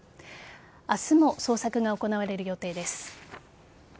明日も捜索が行われる予定です。